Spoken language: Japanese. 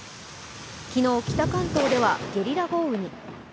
昨日、北関東ではゲリラ豪雨に。